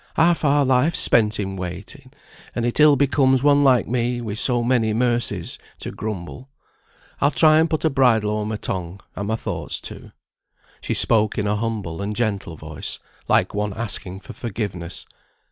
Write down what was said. Half our life's spent in waiting, and it ill becomes one like me, wi' so many mercies, to grumble. I'll try and put a bridle o'er my tongue, and my thoughts too." She spoke in a humble and gentle voice, like one asking forgiveness.